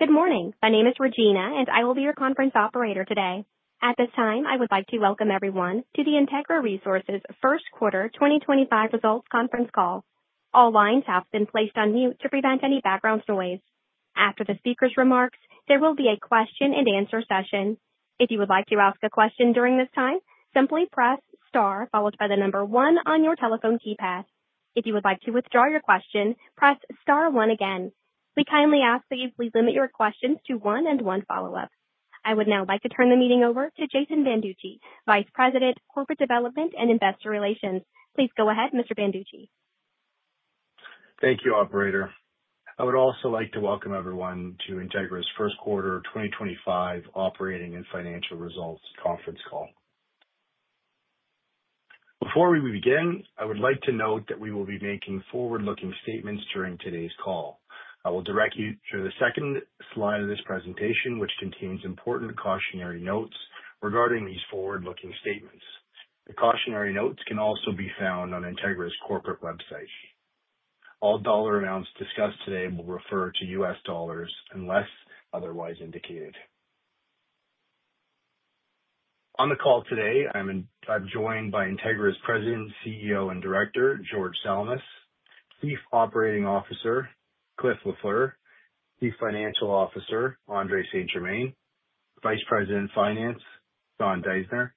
Good morning. My name is Regina, and I will be your conference operator today. At this time, I would like to welcome everyone to the Integra Resources first quarter 2025 results conference call. All lines have been placed on mute to prevent any background noise. After the speaker's remarks, there will be a question-and-answer session. If you would like to ask a question during this time, simply press Star followed by the number one on your telephone keypad. If you would like to withdraw your question, press Star one again. We kindly ask that you please limit your questions to one and one follow-up. I would now like to turn the meeting over to Jason Banducci, Vice President, Corporate Development and Investor Relations. Please go ahead, Mr. Banducci. Thank you, Operator. I would also like to welcome everyone to Integra's first quarter 2025 operating and financial results conference call. Before we begin, I would like to note that we will be making forward-looking statements during today's call. I will direct you to the second slide of this presentation, which contains important cautionary notes regarding these forward-looking statements. The cautionary notes can also be found on Integra's corporate website. All dollar amounts discussed today will refer to U.S. dollars unless otherwise indicated. On the call today, I'm joined by Integra's President, CEO, and Director, George Salamis, Chief Operating Officer, Cliff Lafleur, Chief Financial Officer, Andrée St-Germain, Vice President of Finance, Sean Deissner,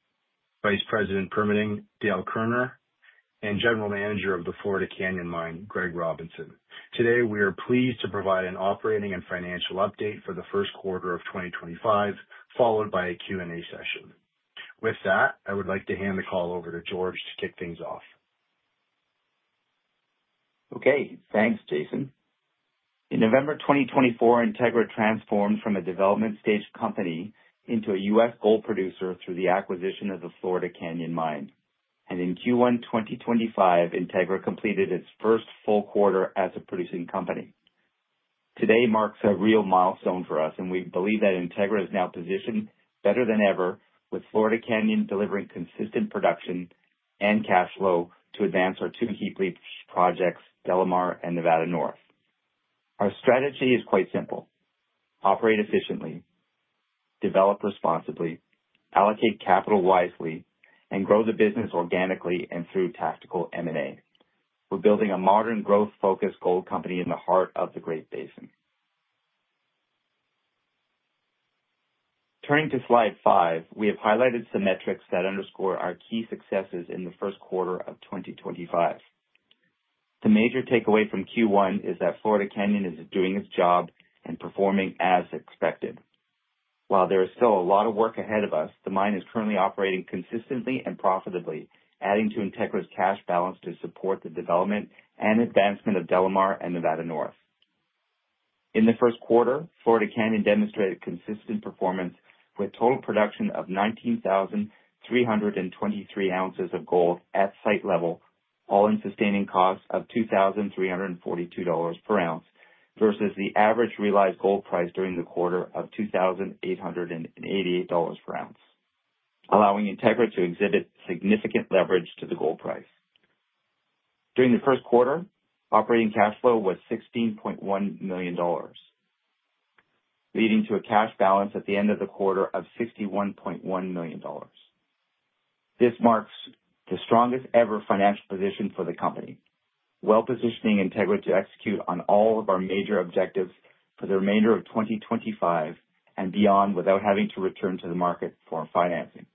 Vice President of Permitting, Dale Kerner, and General Manager of the Florida Canyon Mine, Greg Robinson. Today, we are pleased to provide an operating and financial update for the first quarter of 2025, followed by a Q&A session. With that, I would like to hand the call over to George to kick things off. Okay. Thanks, Jason. In November 2024, Integra transformed from a development-stage company into a U.S. gold producer through the acquisition of the Florida Canyon Mine. And in Q1 2025, Integra completed its first full quarter as a producing company. Today marks a real milestone for us, and we believe that Integra is now positioned better than ever, with Florida Canyon delivering consistent production and cash flow to advance our two heap leach projects, DeLamar and Nevada North. Our strategy is quite simple: operate efficiently, develop responsibly, allocate capital wisely, and grow the business organically and through tactical M&A. We're building a modern, growth-focused gold company in the heart of the Great Basin. Turning to Slide 5, we have highlighted some metrics that underscore our key successes in the first quarter of 2025. The major takeaway from Q1 is that Florida Canyon is doing its job and performing as expected. While there is still a lot of work ahead of us, the mine is currently operating consistently and profitably, adding to Integra's cash balance to support the development and advancement of DeLamar and Nevada North. In the first quarter, Florida Canyon demonstrated consistent performance with a total production of 19,323 ounces of gold at site level, all-in sustaining costs of $2,342 per ounce versus the average realized gold price during the quarter of $2,888 per ounce, allowing Integra to exhibit significant leverage to the gold price. During the first quarter, operating cash flow was $16.1 million, leading to a cash balance at the end of the quarter of $61.1 million. This marks the strongest-ever financial position for the company, well-positioning Integra to execute on all of our major objectives for the remainder of 2025 and beyond without having to return to the market for financing.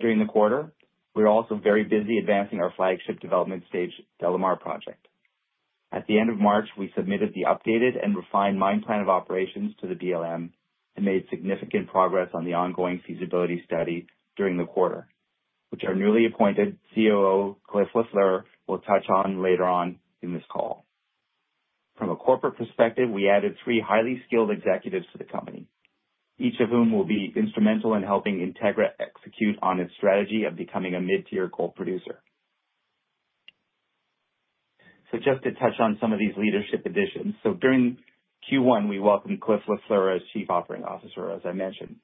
During the quarter, we're also very busy advancing our flagship development-stage DeLamar Project. At the end of March, we submitted the updated and refined Mine Plan of Operations to the BLM and made significant progress on the ongoing feasibility study during the quarter, which our newly appointed COO, Cliff Lafleur, will touch on later on in this call. From a corporate perspective, we added three highly skilled executives to the company, each of whom will be instrumental in helping Integra execute on its strategy of becoming a mid-tier gold producer. So just to touch on some of these leadership additions, so during Q1, we welcomed Cliff Lafleur as Chief Operating Officer, as I mentioned.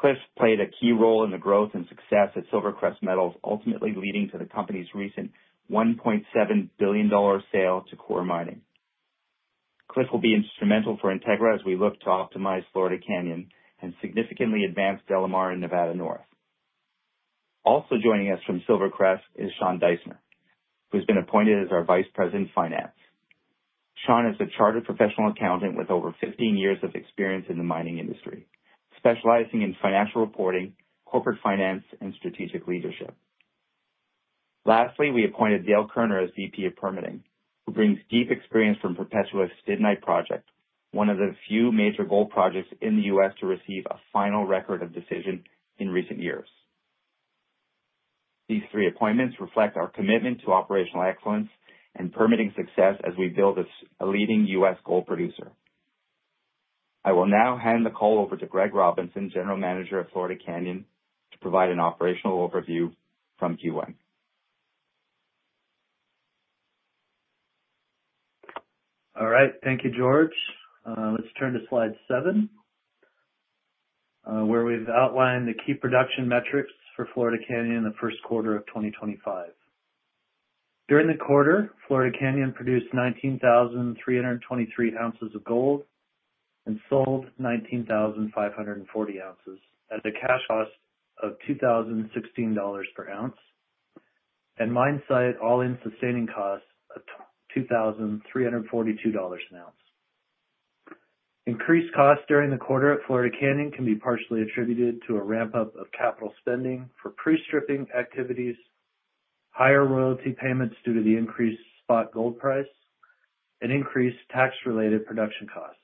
Cliff played a key role in the growth and success at SilverCrest Metals, ultimately leading to the company's recent $1.7 billion sale to Coeur Mining. Cliff will be instrumental for Integra as we look to optimize Florida Canyon and significantly advance DeLamar and Nevada North. Also joining us from SilverCrest is Sean Deissner, who has been appointed as our Vice President Finance. Sean is a chartered professional accountant with over 15 years of experience in the mining industry, specializing in financial reporting, corporate finance, and strategic leadership. Lastly, we appointed Dale Kerner as VP of Permitting, who brings deep experience from Perpetua's Stibnite Project, one of the few major gold projects in the U.S. to receive a final record of decision in recent years. These three appointments reflect our commitment to operational excellence and permitting success as we build a leading U.S. gold producer. I will now hand the call over to Greg Robinson, General Manager of Florida Canyon, to provide an operational overview from Q1. All right. Thank you, George. Let's turn to slide seven, where we've outlined the key production metrics for Florida Canyon in the first quarter of 2025. During the quarter, Florida Canyon produced 19,323 ounces of gold and sold 19,540 ounces at a cash cost of $2,016 per ounce and mine-site all-in sustaining costs of $2,342 an ounce. Increased costs during the quarter at Florida Canyon can be partially attributed to a ramp-up of capital spending for pre-stripping activities, higher royalty payments due to the increased spot gold price, and increased tax-related production costs.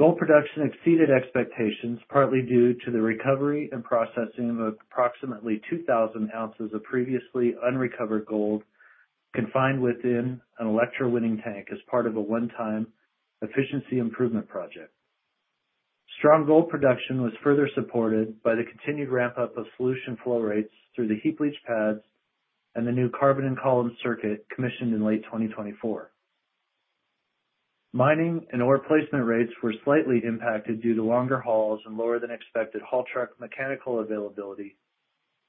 Gold production exceeded expectations, partly due to the recovery and processing of approximately 2,000 ounces of previously unrecovered gold confined within an electrowinning tank as part of a one-time efficiency improvement project. Strong gold production was further supported by the continued ramp-up of solution flow rates through the heap leach pads and the new carbon-in-column circuit commissioned in late 2024. Mining and ore placement rates were slightly impacted due to longer hauls and lower-than-expected haul truck mechanical availability,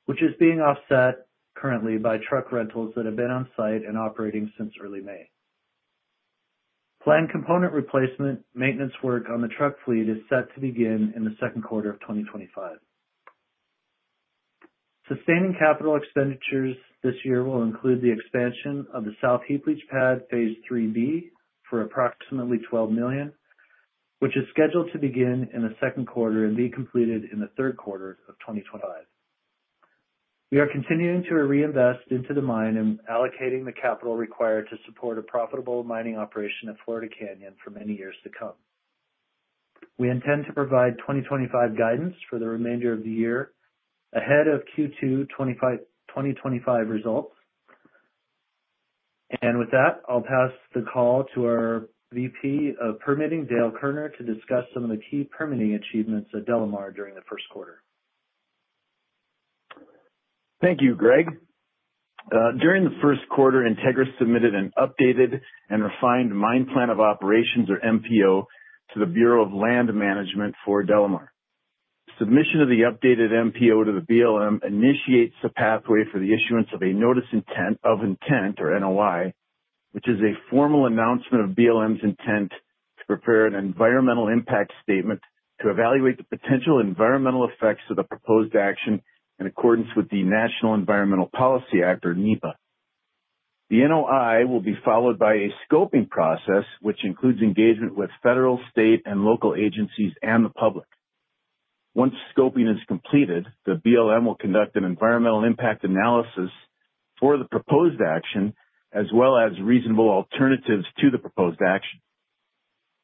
which is being offset currently by truck rentals that have been on site and operating since early May. Planned component replacement maintenance work on the truck fleet is set to begin in the second quarter of 2025. Sustaining capital expenditures this year will include the expansion of the south heap leach pad, phase 3B, for approximately $12 million, which is scheduled to begin in the second quarter and be completed in the third quarter of 2025. We are continuing to reinvest into the mine and allocating the capital required to support a profitable mining operation at Florida Canyon for many years to come. We intend to provide 2025 guidance for the remainder of the year ahead of Q2 2025 results, and with that, I'll pass the call to our VP of Permitting, Dale Kerner, to discuss some of the key permitting achievements at DeLamar during the first quarter. Thank you, Greg. During the first quarter, Integra submitted an updated and refined Mine Plan of Operations, or MPO, to the Bureau of Land Management for DeLamar. Submission of the updated MPO to the BLM initiates the pathway for the issuance of a Notice of Intent, or NOI, which is a formal announcement of BLM's intent to prepare an Environmental Impact Statement to evaluate the potential environmental effects of the proposed action in accordance with the National Environmental Policy Act, or NEPA. The NOI will be followed by a scoping process, which includes engagement with federal, state, and local agencies and the public. Once scoping is completed, the BLM will conduct an environmental impact analysis for the proposed action, as well as reasonable alternatives to the proposed action.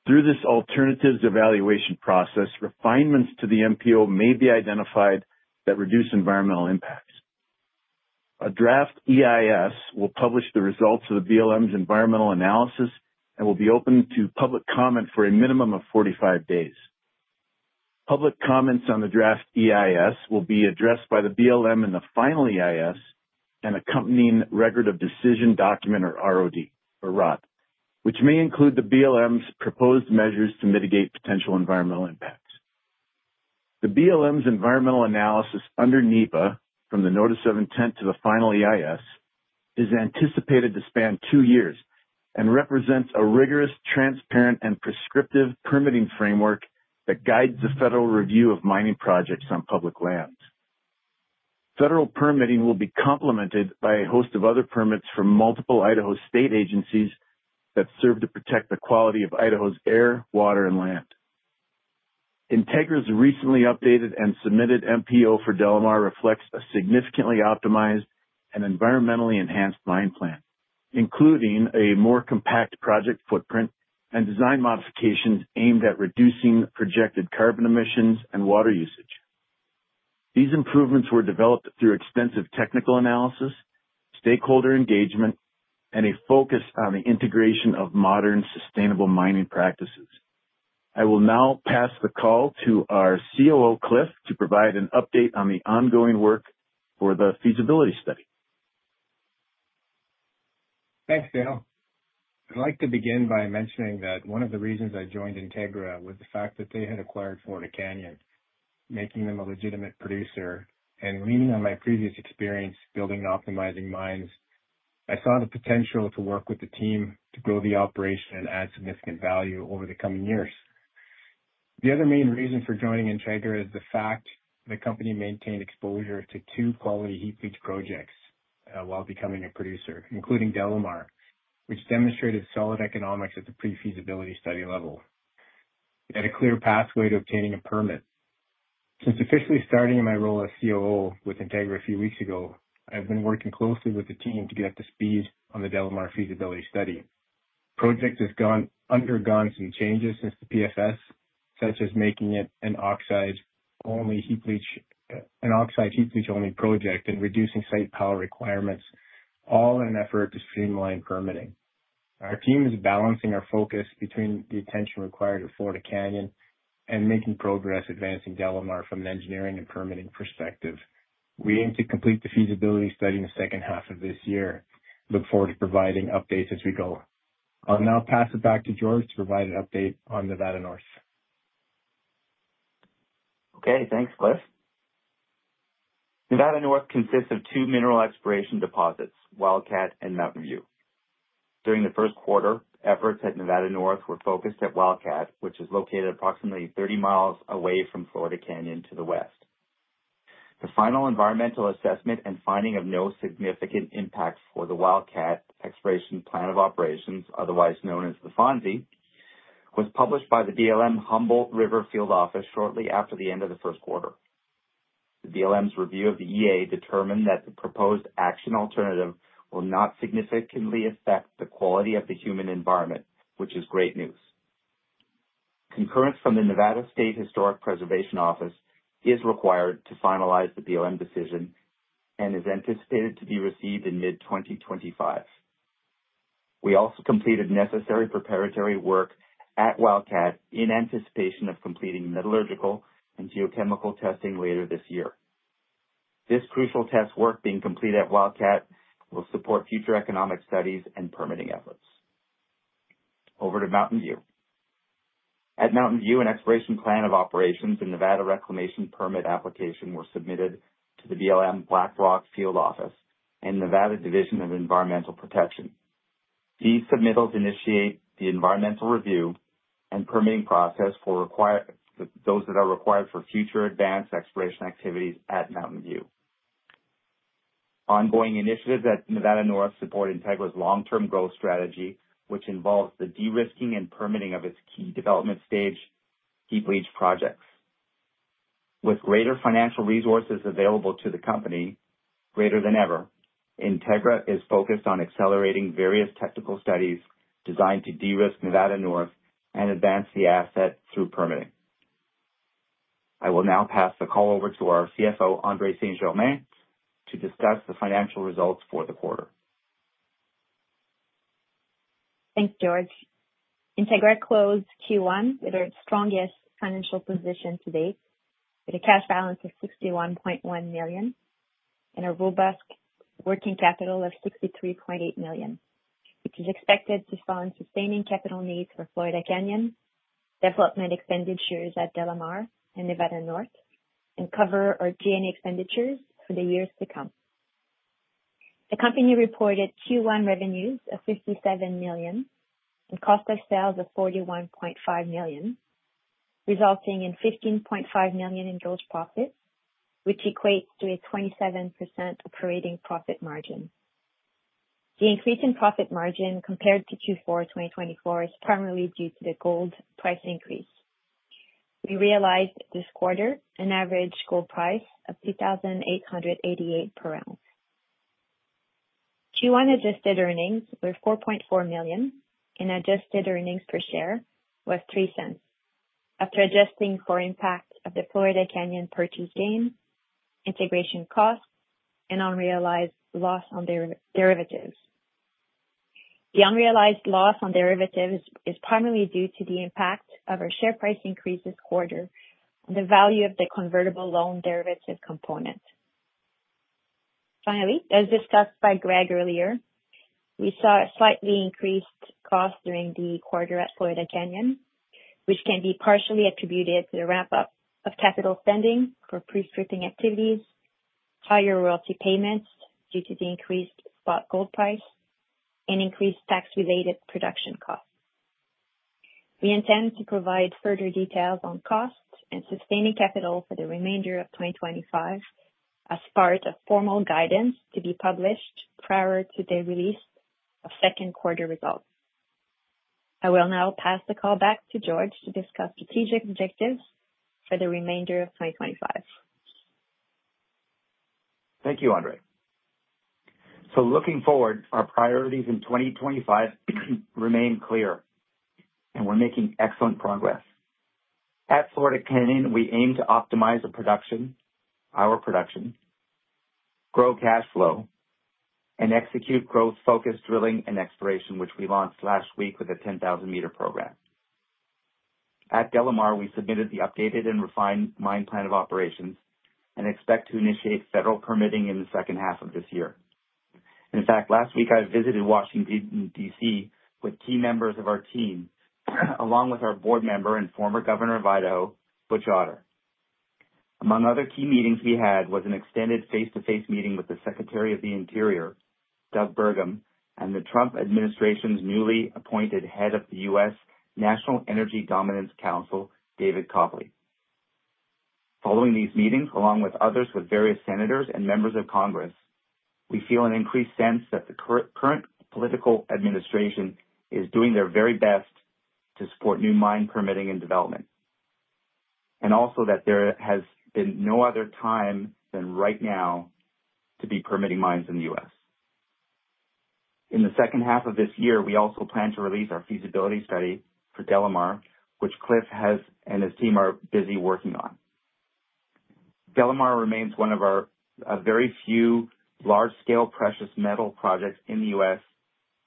Through this alternatives evaluation process, refinements to the MPO may be identified that reduce environmental impacts. A draft EIS will publish the results of the BLM's environmental analysis and will be open to public comment for a minimum of 45 days. Public comments on the draft EIS will be addressed by the BLM in the final EIS and accompanying Record of Decision document, or ROD, which may include the BLM's proposed measures to mitigate potential environmental impacts. The BLM's environmental analysis under NEPA, from the Notice of Intent to the final EIS, is anticipated to span two years and represents a rigorous, transparent, and prescriptive permitting framework that guides the federal review of mining projects on public lands. Federal permitting will be complemented by a host of other permits from multiple Idaho state agencies that serve to protect the quality of Idaho's air, water, and land. Integra's recently updated and submitted MPO for DeLamar reflects a significantly optimized and environmentally enhanced mine plan, including a more compact project footprint and design modifications aimed at reducing projected carbon emissions and water usage. These improvements were developed through extensive technical analysis, stakeholder engagement, and a focus on the integration of modern, sustainable mining practices. I will now pass the call to our COO, Cliff, to provide an update on the ongoing work for the feasibility study. Thanks, Dale. I'd like to begin by mentioning that one of the reasons I joined Integra was the fact that they had acquired Florida Canyon, making them a legitimate producer, and leaning on my previous experience building and optimizing mines, I saw the potential to work with the team to grow the operation and add significant value over the coming years. The other main reason for joining Integra is the fact the company maintained exposure to two quality heap leach projects while becoming a producer, including DeLamar, which demonstrated solid economics at the pre-feasibility study level. We had a clear pathway to obtaining a permit. Since officially starting my role as COO with Integra a few weeks ago, I've been working closely with the team to get up to speed on the DeLamar feasibility study. The project has undergone some changes since the PFS, such as making it an oxide-only heap leach project and reducing site power requirements, all in an effort to streamline permitting. Our team is balancing our focus between the attention required of Florida Canyon and making progress advancing DeLamar from an engineering and permitting perspective. We aim to complete the feasibility study in the second half of this year. I look forward to providing updates as we go. I'll now pass it back to George to provide an update on Nevada North. Okay. Thanks, Cliff. Nevada North consists of two mineral exploration deposits, Wildcat and Mountain View. During the first quarter, efforts at Nevada North were focused at Wildcat, which is located approximately 30 mi away from Florida Canyon to the west. The final environmental assessment and Finding of No Significant Impact for the Wildcat exploration plan of operations, otherwise known as the FONSI, was published by the BLM Humboldt River Field Office shortly after the end of the first quarter. The BLM's review of the EA determined that the proposed action alternative will not significantly affect the quality of the human environment, which is great news. Concurrence from the Nevada State Historic Preservation Office is required to finalize the BLM decision and is anticipated to be received in mid-2025. We also completed necessary preparatory work at Wildcat in anticipation of completing metallurgical and geochemical testing later this year. This crucial test work being completed at Wildcat will support future economic studies and permitting efforts. Over to Mountain View. At Mountain View, an exploration plan of operations and Nevada Reclamation permit application were submitted to the BLM Black Rock Field Office and Nevada Division of Environmental Protection. These submittals initiate the environmental review and permitting process for those that are required for future advanced exploration activities at Mountain View. Ongoing initiatives at Nevada North support Integra's long-term growth strategy, which involves the de-risking and permitting of its key development stage heap leach projects. With greater financial resources available to the company, greater than ever, Integra is focused on accelerating various technical studies designed to de-risk Nevada North and advance the asset through permitting. I will now pass the call over to our CFO, Andrée St-Germain, to discuss the financial results for the quarter. Thanks, George. Integra closed Q1 with its strongest financial position to date, with a cash balance of $61.1 million and a robust working capital of $63.8 million, which is expected to fund sustaining capital needs for Florida Canyon, development expenditures at DeLamar and Nevada North, and cover our G&A expenditures for the years to come. The company reported Q1 revenues of $57 million and cost of sales of $41.5 million, resulting in $15.5 million in gross profit, which equates to a 27% operating profit margin. The increase in profit margin compared to Q4 2024 is primarily due to the gold price increase. We realized this quarter an average gold price of $2,888 per ounce. Q1 adjusted earnings were $4.4 million, and adjusted earnings per share was $0.03, after adjusting for impact of the Florida Canyon purchase gain, integration costs, and unrealized loss on derivatives. The unrealized loss on derivatives is primarily due to the impact of our share price increase this quarter on the value of the convertible loan derivative component. Finally, as discussed by Greg earlier, we saw a slightly increased cost during the quarter at Florida Canyon, which can be partially attributed to the ramp-up of capital spending for pre-stripping activities, higher royalty payments due to the increased spot gold price, and increased tax-related production costs. We intend to provide further details on costs and sustaining capital for the remainder of 2025 as part of formal guidance to be published prior to the release of second quarter results. I will now pass the call back to George to discuss strategic objectives for the remainder of 2025. Thank you, Andrée. So looking forward, our priorities in 2025 remain clear, and we're making excellent progress. At Florida Canyon, we aim to optimize our production, grow cash flow, and execute growth-focused drilling and exploration, which we launched last week with a 10,000-meter program. At Delamar, we submitted the updated and refined Mine Plan of Operations and expect to initiate federal permitting in the second half of this year. In fact, last week, I visited Washington, D.C., with key members of our team, along with our board member and former governor of Idaho, Butch Otter. Among other key meetings we had was an extended face-to-face meeting with the Secretary of the Interior, Doug Burgum, and the Trump administration's newly appointed head of the U.S. National Energy Dominance Council, David Copley. Following these meetings, along with others with various senators and members of Congress, we feel an increased sense that the current political administration is doing their very best to support new mine permitting and development, and also that there has been no other time than right now to be permitting mines in the U.S. In the second half of this year, we also plan to release our feasibility study for DeLamar, which Cliff and his team are busy working on. DeLamar remains one of our very few large-scale precious metal projects in the U.S.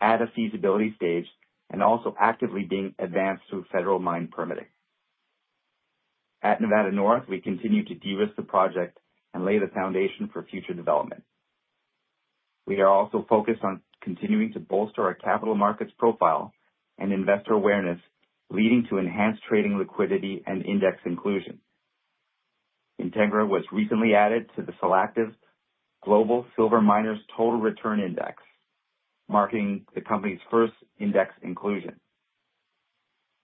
at a feasibility stage and also actively being advanced through federal mine permitting. At Nevada North, we continue to de-risk the project and lay the foundation for future development. We are also focused on continuing to bolster our capital markets profile and investor awareness, leading to enhanced trading liquidity and index inclusion. Integra was recently added to the Solactive Global Silver Miners Total Return Index, marking the company's first index inclusion.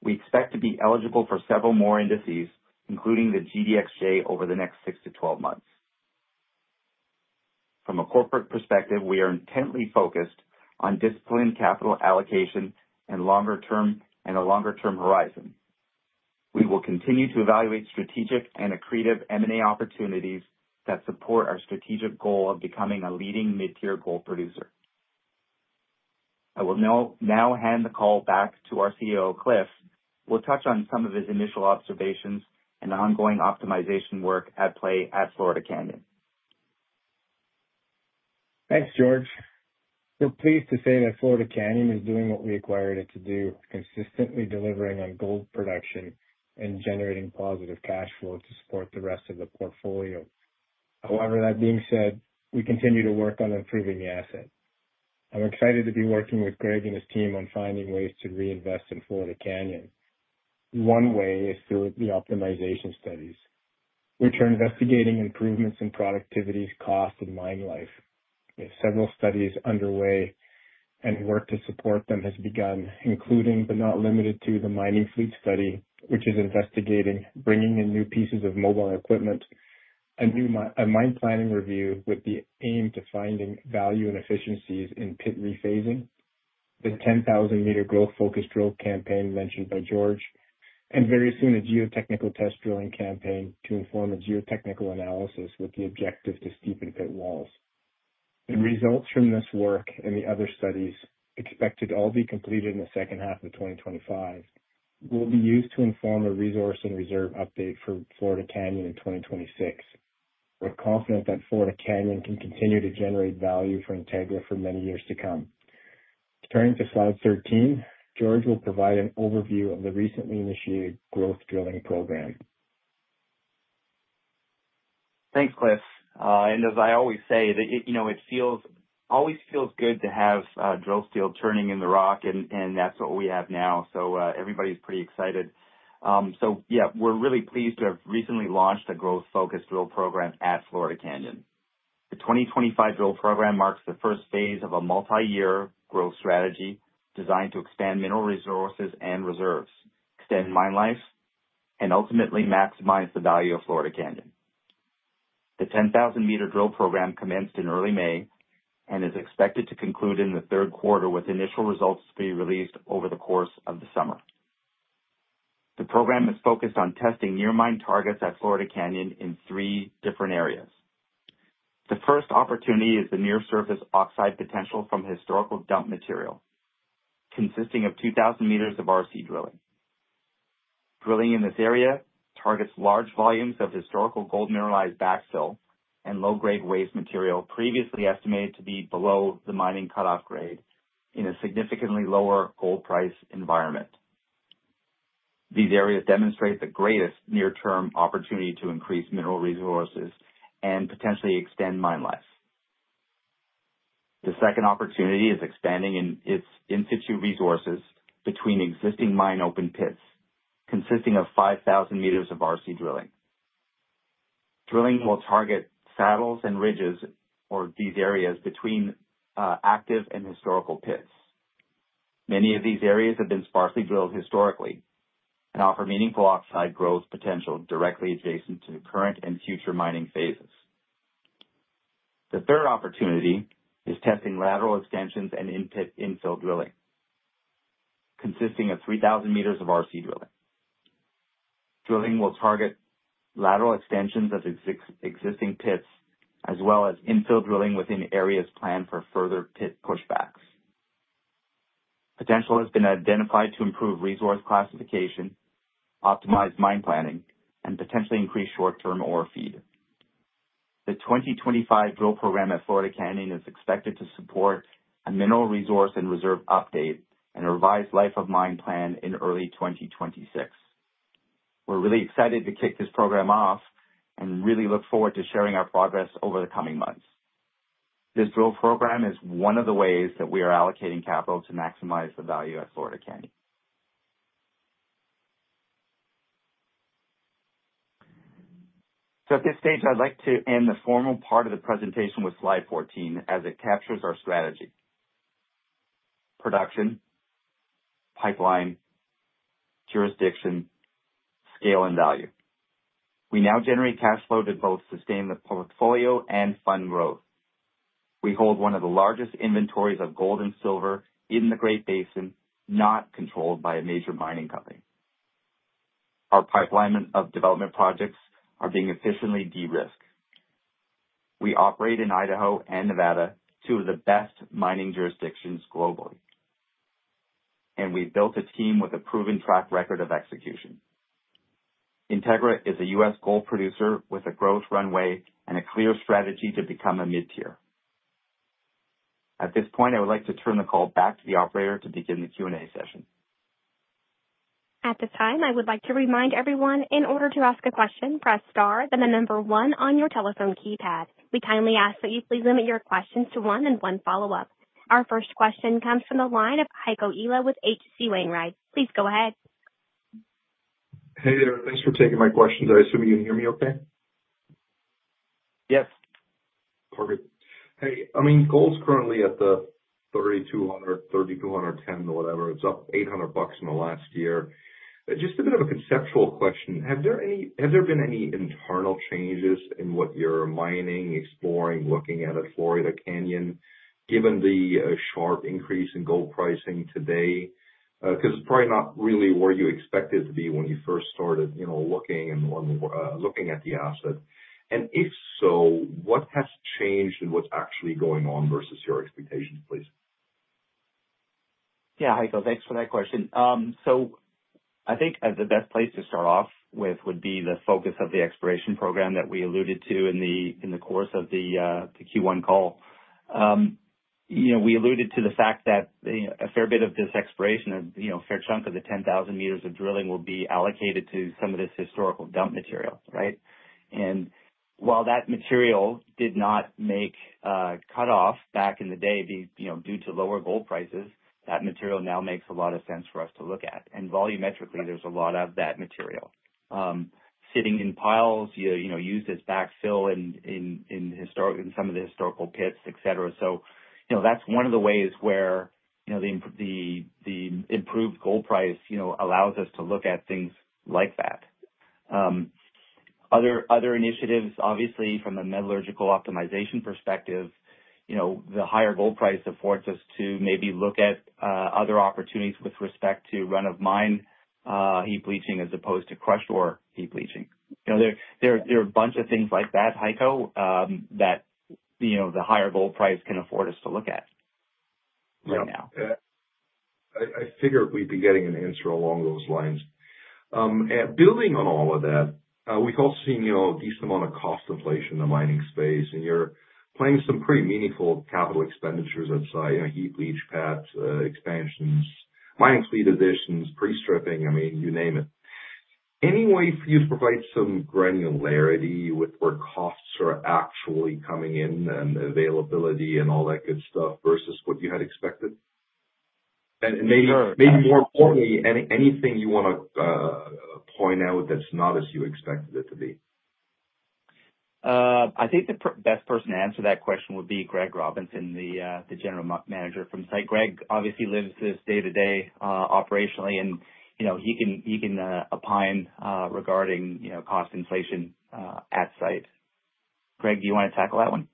We expect to be eligible for several more indices, including the GDXJ, over the next six to 12 months. From a corporate perspective, we are intently focused on disciplined capital allocation and a longer-term horizon. We will continue to evaluate strategic and accretive M&A opportunities that support our strategic goal of becoming a leading mid-tier gold producer. I will now hand the call back to our COO, Cliff. We'll touch on some of his initial observations and ongoing optimization work at play at Florida Canyon. Thanks, George. We're pleased to say that Florida Canyon is doing what we acquired it to do, consistently delivering on gold production and generating positive cash flow to support the rest of the portfolio. However, that being said, we continue to work on improving the asset. I'm excited to be working with Greg and his team on finding ways to reinvest in Florida Canyon. One way is through the optimization studies, which are investigating improvements in productivity, cost, and mine life. We have several studies underway, and work to support them has begun, including but not limited to the mining fleet study, which is investigating bringing in new pieces of mobile equipment, a mine planning review with the aim to find value and efficiencies in pit rephasing, the 10,000-meter growth-focused drill campaign mentioned by George, and very soon a geotechnical test drilling campaign to inform a geotechnical analysis with the objective to steepen pit walls. The results from this work and the other studies, expected all to be completed in the second half of 2025, will be used to inform a resource and reserve update for Florida Canyon in 2026. We're confident that Florida Canyon can continue to generate value for Integra for many years to come. Turning to Slide 13, George will provide an overview of the recently initiated growth drilling program. Thanks, Cliff. And as I always say, it always feels good to have drill steel turning in the rock, and that's what we have now. So everybody's pretty excited. So yeah, we're really pleased to have recently launched a growth-focused drill program at Florida Canyon. The 2025 drill program marks the first phase of a multi-year growth strategy designed to expand mineral resources and reserves, extend mine life, and ultimately maximize the value of Florida Canyon. The 10,000m drill program commenced in early May and is expected to conclude in the third quarter, with initial results to be released over the course of the summer. The program is focused on testing near-mine targets at Florida Canyon in three different areas. The first opportunity is the near-surface oxide potential from historical dump material, consisting of 2,000 m of RC drilling. Drilling in this area targets large volumes of historical gold mineralized backfill and low-grade waste material previously estimated to be below the mining cutoff grade in a significantly lower gold price environment. These areas demonstrate the greatest near-term opportunity to increase mineral resources and potentially extend mine life. The second opportunity is expanding its in-situ resources between existing mine open pits, consisting of 5,000 m of RC drilling. Drilling will target saddles and ridges or these areas between active and historical pits. Many of these areas have been sparsely drilled historically and offer meaningful oxide growth potential directly adjacent to current and future mining phases. The third opportunity is testing lateral extensions and in-pit infill drilling, consisting of 3,000 m of RC drilling. Drilling will target lateral extensions of existing pits as well as infill drilling within areas planned for further pit pushbacks. Potential has been identified to improve resource classification, optimize mine planning, and potentially increase short-term ore feed. The 2025 drill program at Florida Canyon is expected to support a mineral resource and reserve update and a revised life of mine plan in early 2026. We're really excited to kick this program off and really look forward to sharing our progress over the coming months. This drill program is one of the ways that we are allocating capital to maximize the value at Florida Canyon. So at this stage, I'd like to end the formal part of the presentation with Slide 14, as it captures our strategy: production, pipeline, jurisdiction, scale, and value. We now generate cash flow to both sustain the portfolio and fund growth. We hold one of the largest inventories of gold and silver in the Great Basin, not controlled by a major mining company. Our pipeline of development projects are being efficiently de-risked. We operate in Idaho and Nevada, two of the best mining jurisdictions globally. And we've built a team with a proven track record of execution. Integra is a U.S. gold producer with a growth runway and a clear strategy to become a mid-tier. At this point, I would like to turn the call back to the operator to begin the Q&A session. At this time, I would like to remind everyone, in order to ask a question, press Star, then the number one on your telephone keypad. We kindly ask that you please limit your questions to one and one follow-up. Our first question comes from the line of Heiko Ihle with H.C. Wainwright. Please go ahead. Hey there. Thanks for taking my questions. I assume you can hear me okay? Yes. Perfect. Hey, I mean, gold's currently at the $3,200-$3,210, or whatever. It's up $800 in the last year. Just a bit of a conceptual question. Have there been any internal changes in what you're mining, exploring, looking at at Florida Canyon, given the sharp increase in gold pricing today? Because it's probably not really where you expected it to be when you first started looking at the asset. And if so, what has changed and what's actually going on versus your expectations, please? Yeah, Heiko, thanks for that question. So I think the best place to start off with would be the focus of the exploration program that we alluded to in the course of the Q1 call. We alluded to the fact that a fair bit of this exploration, a fair chunk of the 10,000 m of drilling, will be allocated to some of this historical dump material, right? And while that material did not make cutoff back in the day due to lower gold prices, that material now makes a lot of sense for us to look at. And volumetrically, there's a lot of that material sitting in piles, used as backfill in some of the historical pits, etc. So that's one of the ways where the improved gold price allows us to look at things like that. Other initiatives, obviously, from a metallurgical optimization perspective, the higher gold price affords us to maybe look at other opportunities with respect to run-of-mine heap leaching as opposed to crushed ore heap leaching. There are a bunch of things like that, Heiko, that the higher gold price can afford us to look at right now. Yeah. I figured we'd be getting an answer along those lines. Building on all of that, we've also seen a decent amount of cost inflation in the mining space, and you're planning some pretty meaningful capital expenditures outside heap leach pad expansions, mining fleet additions, pre-stripping, I mean, you name it. Any way for you to provide some granularity with where costs are actually coming in and availability and all that good stuff versus what you had expected? And maybe more importantly, anything you want to point out that's not as you expected it to be? I think the best person to answer that question would be Greg Robinson, the General Manager from the site. Greg obviously lives this day-to-day operationally, and he can opine regarding cost inflation at site. Greg, do you want to tackle that one?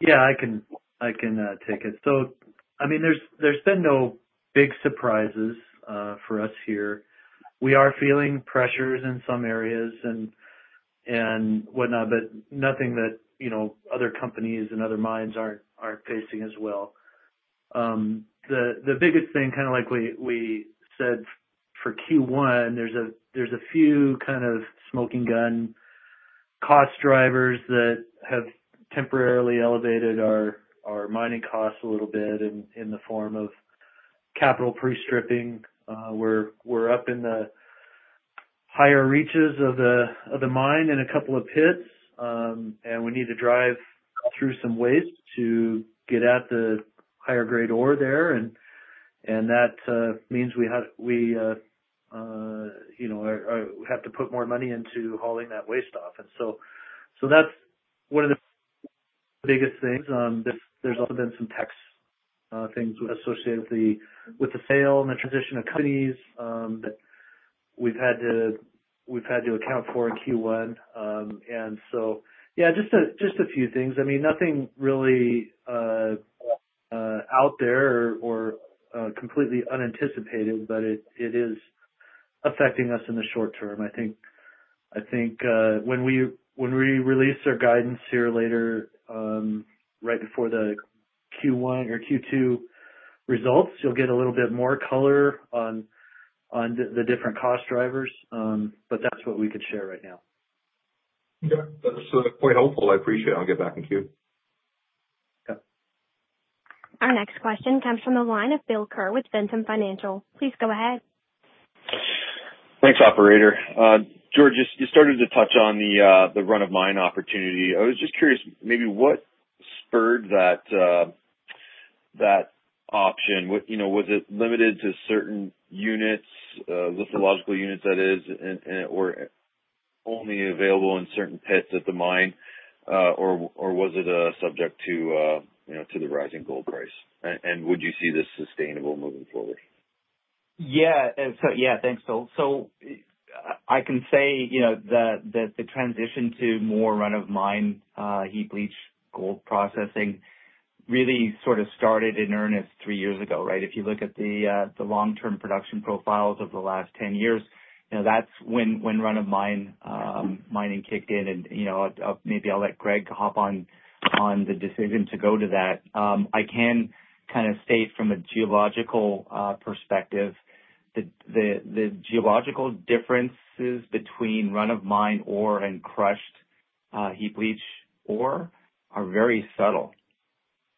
Yeah, I can take it. So I mean, there's been no big surprises for us here. We are feeling pressures in some areas and whatnot, but nothing that other companies and other mines aren't facing as well. The biggest thing, kind of like we said for Q1, there's a few kind of smoking gun cost drivers that have temporarily elevated our mining costs a little bit in the form of capital pre-stripping. We're up in the higher reaches of the mine and a couple of pits, and we need to drive through some waste to get at the higher-grade ore there. And that means we have to put more money into hauling that waste off. And so that's one of the biggest things. There's also been some tax things associated with the sale and the transition of companies that we've had to account for in Q1. And so yeah, just a few things. I mean, nothing really out there or completely unanticipated, but it is affecting us in the short-term. I think when we release our guidance here later, right before the Q1 or Q2 results, you'll get a little bit more color on the different cost drivers, but that's what we could share right now. Okay. That's quite helpful. I appreciate it. I'll get back in queue. Okay. Our next question comes from the line of Phil Ker with Ventum Financial. Please go ahead. Thanks, operator. George, you started to touch on the run-of-mine opportunity. I was just curious, maybe what spurred that option? Was it limited to certain units, lithological units, that is, or only available in certain pits at the mine, or was it subject to the rising gold price? And would you see this sustainable moving forward? Yeah. So yeah, thanks, Phil. So I can say that the transition to more run-of-mine heap leach gold processing really sort of started in earnest three years ago, right? If you look at the long-term production profiles of the last 10 years, that's when run-of-mine mining kicked in. And maybe I'll let Greg hop on the decision to go to that. I can kind of state from a geological perspective that the geological differences between run-of-mine ore and crushed heap leach ore are very subtle.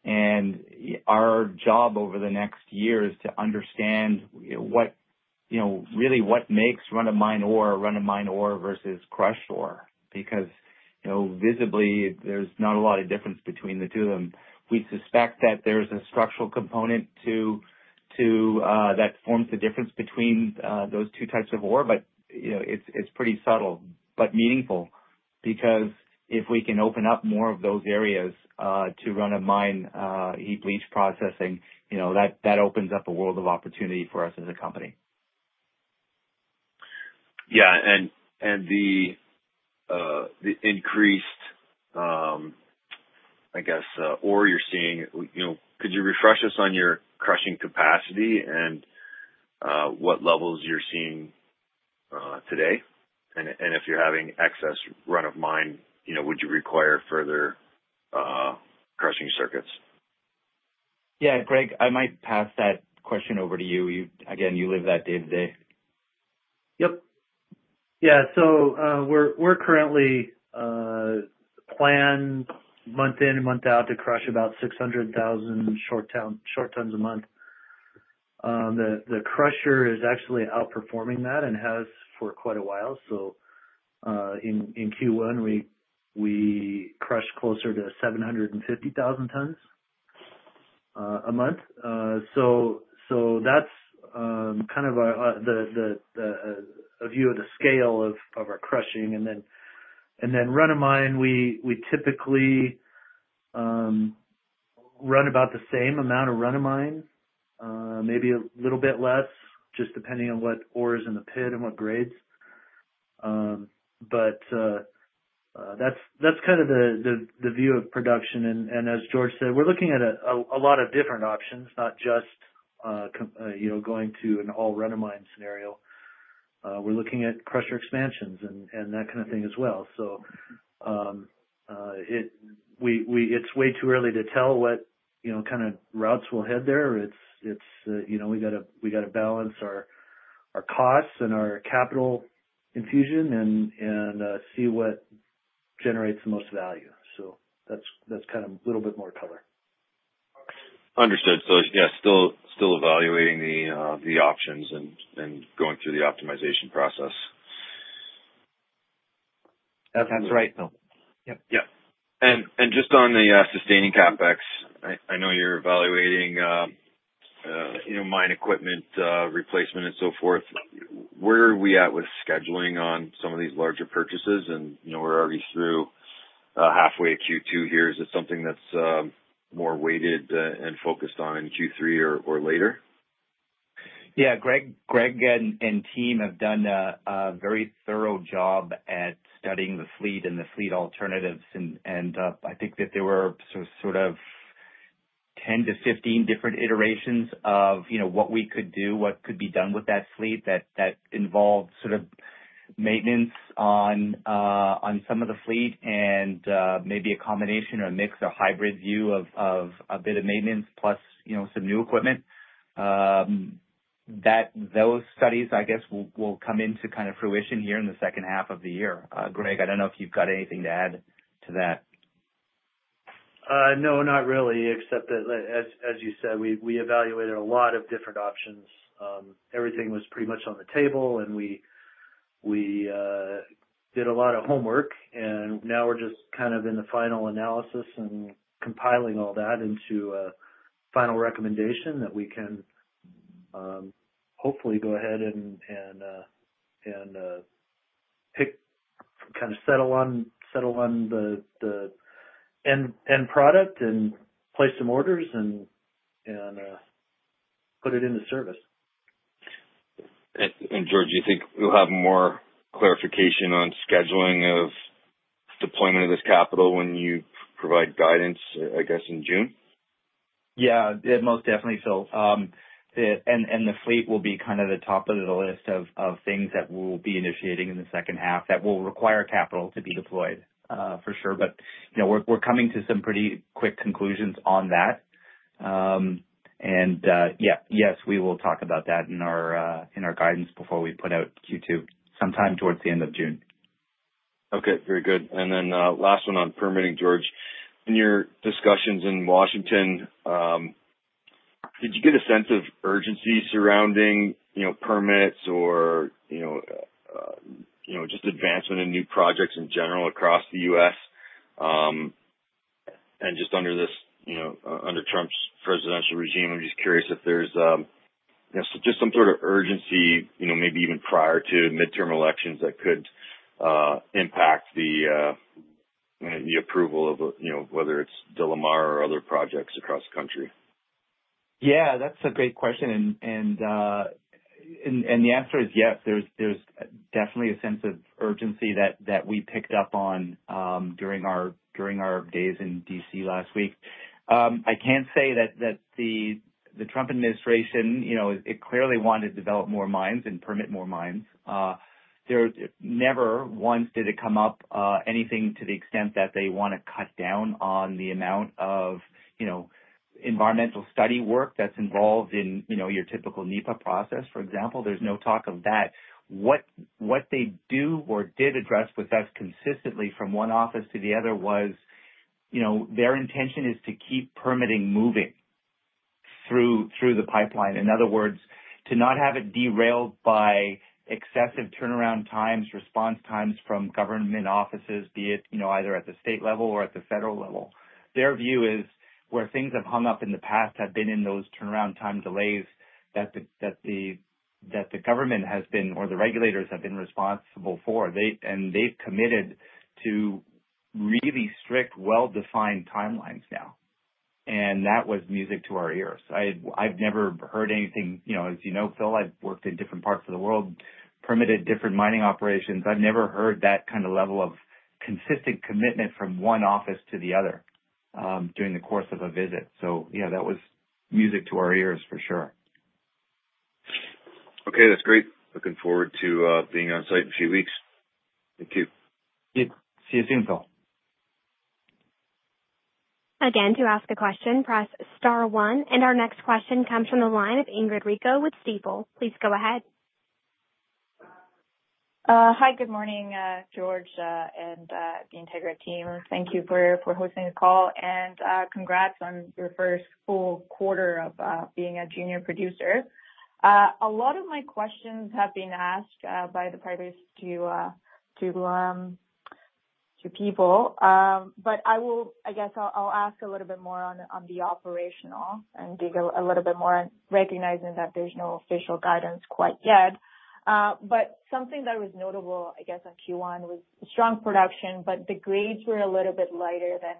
And our job over the next year is to understand really what makes run-of-mine ore run-of-mine ore versus crushed ore. Because visibly, there's not a lot of difference between the two of them. We suspect that there's a structural component that forms the difference between those two types of ore, but it's pretty subtle but meaningful. Because if we can open up more of those areas to run-of-mine heap leach processing, that opens up a world of opportunity for us as a company. Yeah. And the increased, I guess, ore you're seeing, could you refresh us on your crushing capacity and what levels you're seeing today? And if you're having excess run-of-mine, would you require further crushing circuits? Yeah, Greg, I might pass that question over to you. Again, you live that day-to-day. Yep. Yeah. So we're currently planned month in and month out to crush about 600,000 short tons a month. The crusher is actually outperforming that and has for quite a while. So in Q1, we crushed closer to 750,000 tons a month. So that's kind of a view of the scale of our crushing. And then run-of-mine, we typically run about the same amount of run-of-mine, maybe a little bit less, just depending on what ore is in the pit and what grades. But that's kind of the view of production. And as George said, we're looking at a lot of different options, not just going to an all run-of-mine scenario. We're looking at crusher expansions and that kind of thing as well. So it's way too early to tell what kind of routes we'll head there. We got to balance our costs and our capital infusion and see what generates the most value, so that's kind of a little bit more color. Understood, so yeah, still evaluating the options and going through the optimization process. That's right. Yep. Yeah, and just on the sustaining CapEx, I know you're evaluating mine equipment replacement and so forth. Where are we at with scheduling on some of these larger purchases, and we're already through halfway Q2 here. Is it something that's more weighted and focused on in Q3 or later? Yeah. Greg and team have done a very thorough job at studying the fleet and the fleet alternatives. And I think that there were sort of 10-15 different iterations of what we could do, what could be done with that fleet that involved sort of maintenance on some of the fleet and maybe a combination or a mix or hybrid view of a bit of maintenance plus some new equipment. Those studies, I guess, will come into kind of fruition here in the second half of the year. Greg, I don't know if you've got anything to add to that. No, not really, except that, as you said, we evaluated a lot of different options. Everything was pretty much on the table, and we did a lot of homework, and now we're just kind of in the final analysis and compiling all that into a final recommendation that we can hopefully go ahead and pick, kind of settle on the end product and place some orders and put it into service. George, do you think we'll have more clarification on scheduling of deployment of this capital when you provide guidance, I guess, in June? Yeah, most definitely, Phil. And the fleet will be kind of the top of the list of things that we'll be initiating in the second half that will require capital to be deployed, for sure. But we're coming to some pretty quick conclusions on that. And yes, we will talk about that in our guidance before we put out Q2, sometime towards the end of June. Okay. Very good. And then last one on permitting, George. In your discussions in Washington, did you get a sense of urgency surrounding permits or just advancement in new projects in general across the U.S.? And just under Trump's presidential regime, I'm just curious if there's just some sort of urgency, maybe even prior to midterm elections, that could impact the approval of whether it's DeLamar or other projects across the country. Yeah, that's a great question, and the answer is yes. There's definitely a sense of urgency that we picked up on during our days in D.C. last week. I can say that the Trump administration, it clearly wanted to develop more mines and permit more mines. Never once did it come up anything to the extent that they want to cut down on the amount of environmental study work that's involved in your typical NEPA process, for example. There's no talk of that. What they do or did address with us consistently from one office to the other was their intention is to keep permitting moving through the pipeline. In other words, to not have it derailed by excessive turnaround times, response times from government offices, be it either at the state level or at the federal level. Their view is where things have hung up in the past have been in those turnaround time delays that the government has been or the regulators have been responsible for. And they've committed to really strict, well-defined timelines now. And that was music to our ears. I've never heard anything, as you know, Phil. I've worked in different parts of the world, permitted different mining operations. I've never heard that kind of level of consistent commitment from one office to the other during the course of a visit. So yeah, that was music to our ears, for sure. Okay. That's great. Looking forward to being on site in a few weeks. Thank you. See you soon, Phil. Again, to ask a question, press Star one. And our next question comes from the line of Ingrid Rico with Stifel. Please go ahead. Hi, good morning, George and the Integra team. Thank you for hosting the call. And congrats on your first full quarter of being a junior producer. A lot of my questions have been asked by the private people. But I guess I'll ask a little bit more on the operational and dig a little bit more, recognizing that there's no official guidance quite yet. But something that was notable, I guess, on Q1 was strong production, but the grades were a little bit lighter than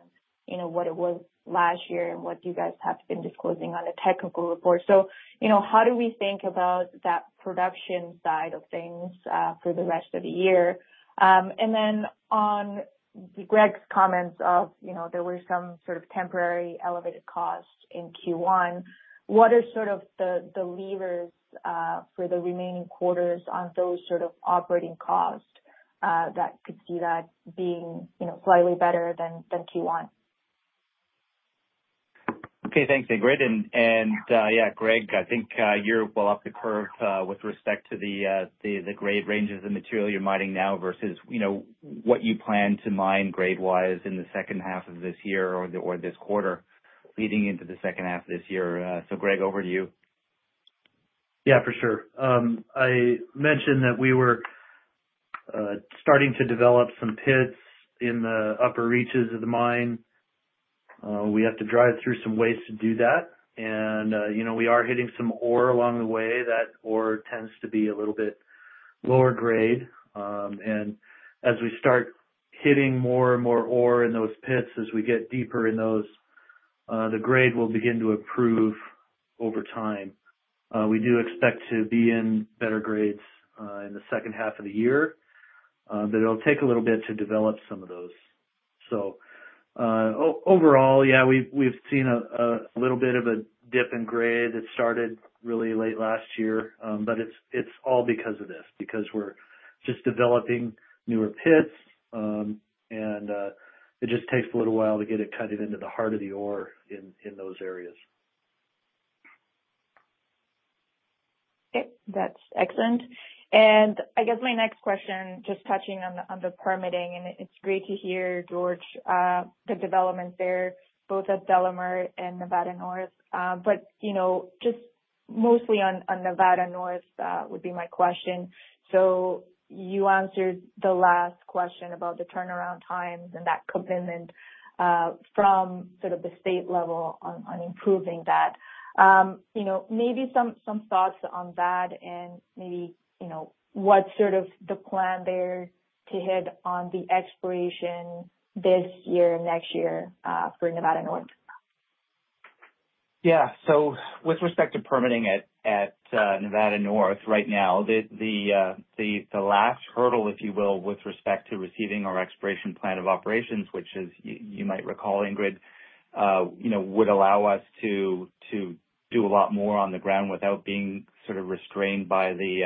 what it was last year and what you guys have been disclosing on the technical report. So how do we think about that production side of things for the rest of the year? And then on Greg's comments of there were some sort of temporary elevated costs in Q1, what are sort of the levers for the remaining quarters on those sort of operating costs that could see that being slightly better than Q1? Okay. Thanks, Ingrid. And yeah, Greg, I think you're well off the curve with respect to the grade ranges of material you're mining now versus what you plan to mine grade-wise in the second half of this year or this quarter leading into the second half of this year. So Greg, over to you. Yeah, for sure. I mentioned that we were starting to develop some pits in the upper reaches of the mine. We have to drive through some waste to do that. And we are hitting some ore along the way. That ore tends to be a little bit lower grade. And as we start hitting more and more ore in those pits, as we get deeper in those, the grade will begin to improve over time. We do expect to be in better grades in the second half of the year, but it'll take a little bit to develop some of those. So overall, yeah, we've seen a little bit of a dip in grade. It started really late last year, but it's all because of this, because we're just developing newer pits. It just takes a little while to get it kind of into the heart of the ore in those areas. Okay. That's excellent. And I guess my next question, just touching on the permitting, and it's great to hear, George, the development there, both at DeLamar and Nevada North. But just mostly on Nevada North would be my question. So you answered the last question about the turnaround times and that commitment from sort of the state level on improving that. Maybe some thoughts on that and maybe what sort of the plan there to hit on the expiration this year and next year for Nevada North? Yeah. So with respect to permitting at Nevada North right now, the last hurdle, if you will, with respect to receiving our exploration plan of operations, which, as you might recall, Ingrid, would allow us to do a lot more on the ground without being sort of restrained by the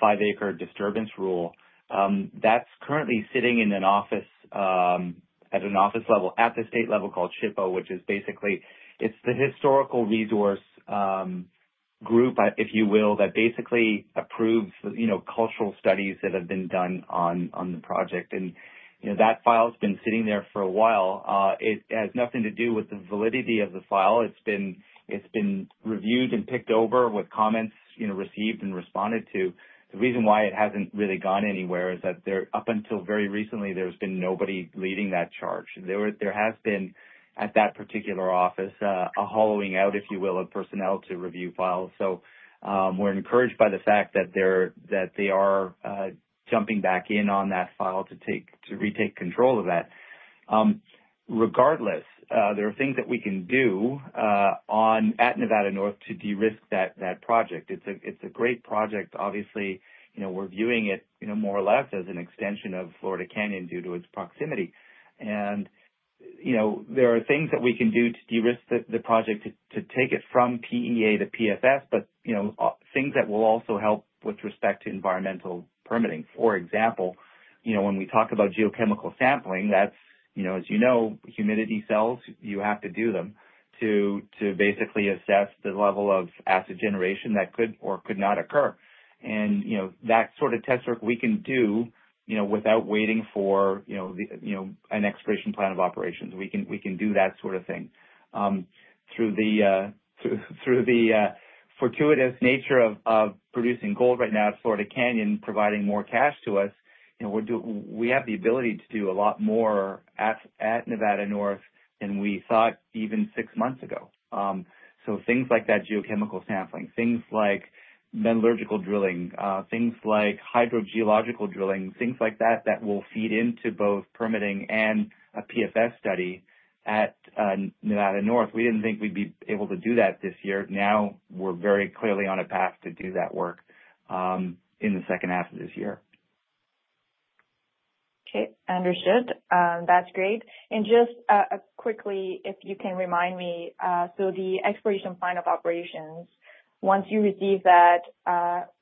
five-acre disturbance rule. That's currently sitting in an office at an office level at the state level called SHPO, which is basically the historical resource group, if you will, that basically approves cultural studies that have been done on the project. And that file has been sitting there for a while. It has nothing to do with the validity of the file. It's been reviewed and picked over with comments received and responded to. The reason why it hasn't really gone anywhere is that up until very recently, there's been nobody leading that charge. There has been, at that particular office, a hollowing out, if you will, of personnel to review files. So we're encouraged by the fact that they are jumping back in on that file to retake control of that. Regardless, there are things that we can do at Nevada North to de-risk that project. It's a great project. Obviously, we're viewing it more or less as an extension of Florida Canyon due to its proximity, and there are things that we can do to de-risk the project to take it from PEA to PFS, but things that will also help with respect to environmental permitting. For example, when we talk about geochemical sampling, that's, as you know, humidity cells. You have to do them to basically assess the level of acid generation that could or could not occur. And that sort of test work we can do without waiting for an exploration plan of operations. We can do that sort of thing through the fortuitous nature of producing gold right now at Florida Canyon providing more cash to us. We have the ability to do a lot more at Nevada North than we thought even six months ago. So things like that geochemical sampling, things like metallurgical drilling, things like hydrogeological drilling, things like that that will feed into both permitting and a PFS study at Nevada North. We didn't think we'd be able to do that this year. Now we're very clearly on a path to do that work in the second half of this year. Okay. Understood. That's great. And just quickly, if you can remind me, so the Mine Plan of Operations, once you receive that,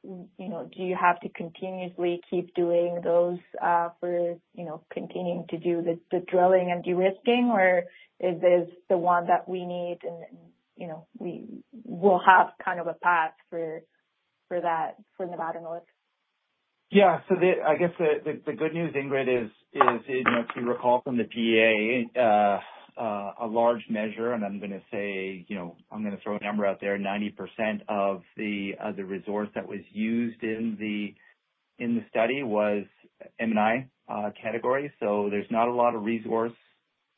do you have to continuously keep doing those for continuing to do the drilling and de-risking, or is this the one that we need and we will have kind of a path for that for Nevada North? Yeah. So I guess the good news, Ingrid, is if you recall from the PEA, a large measure, and I'm going to throw a number out there, 90% of the resource that was used in the study was M&I category. So there's not a lot of resource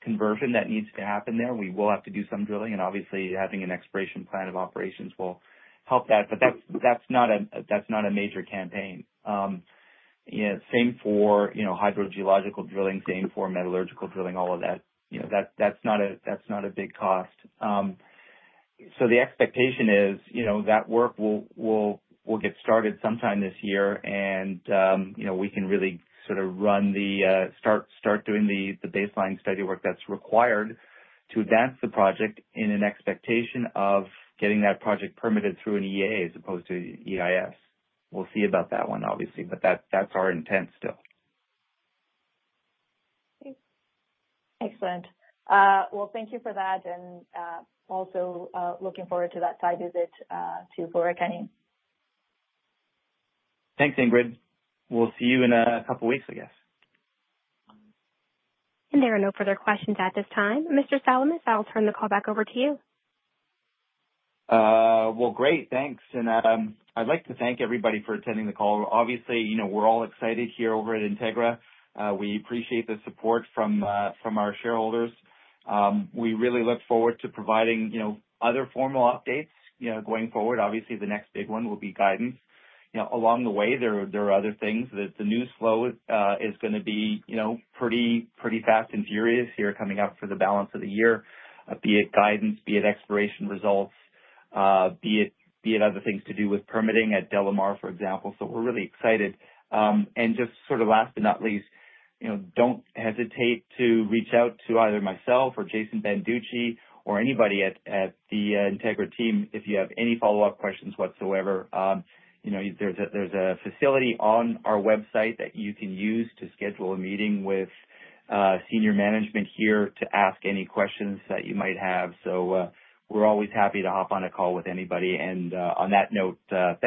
conversion that needs to happen there. We will have to do some drilling. And obviously, having a Mine Plan of Operations will help that. But that's not a major campaign. Same for hydrogeological drilling, same for metallurgical drilling, all of that. That's not a big cost. So the expectation is that work will get started sometime this year, and we can really sort of run and start doing the baseline study work that's required to advance the project in an expectation of getting that project permitted through an EA as opposed to EIS. We'll see about that one, obviously, but that's our intent still. Excellent. Thank you for that. Also looking forward to that site visit to Florida Canyon. Thanks, Ingrid. We'll see you in a couple of weeks, I guess. There are no further questions at this time. Mr. Salamis, I'll turn the call back over to you. Great. Thanks. I'd like to thank everybody for attending the call. Obviously, we're all excited here over at Integra. We appreciate the support from our shareholders. We really look forward to providing other formal updates going forward. Obviously, the next big one will be guidance. Along the way, there are other things. The news flow is going to be pretty fast and furious here coming up for the balance of the year, be it guidance, be it exploration results, be it other things to do with permitting at DeLamar, for example. We're really excited. Just sort of last but not least, don't hesitate to reach out to either myself or Jason Banducci or anybody at the Integra team if you have any follow-up questions whatsoever. There's a facility on our website that you can use to schedule a meeting with senior management here to ask any questions that you might have. So we're always happy to hop on a call with anybody. And on that note, thank you.